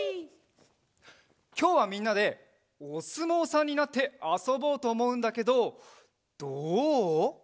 きょうはみんなでおすもうさんになってあそぼうとおもうんだけどどう？